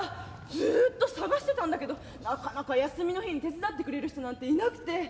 ずっと探してたんだけどなかなか休みの日に手伝ってくれる人なんていなくて。